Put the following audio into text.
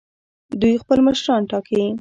دوی خپل مشران ټاکي.